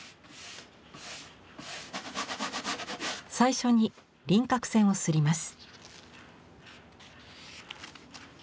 最初に輪郭線を摺ります。